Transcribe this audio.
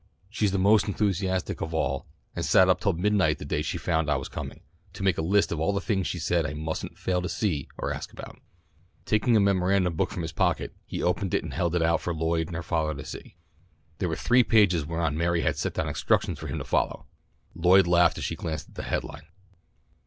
She's the most enthusiastic of all, and sat up till midnight the day she found I was coming, to make a list of all the things she said I mustn't fail to see or ask about." Taking a memorandum book from his pocket he opened it and held it out for Lloyd and her father to see. There were three pages whereon Mary had set down instructions for him to follow. Lloyd laughed as she glanced at the head line.